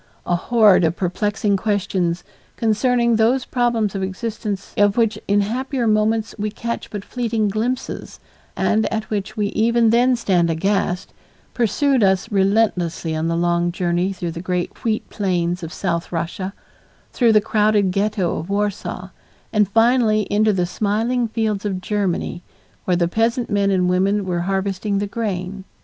A horde of perplexing questions, concerning those problems of existence of which in happier moments we catch but fleeting glimpses and at which we even then stand aghast, pursued us relentlessly on the long journey through the great wheat plains of South Russia, through the crowded Ghetto of Warsaw, and finally into the smiling fields of Germany where the peasant men and women were harvesting the grain.